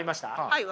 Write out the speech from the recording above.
はい！